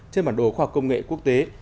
trên bản đồ khoa học công nghệ quốc tế